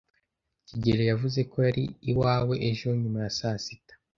kigeli yavuze ko yari iwawe ejo nyuma ya saa sita.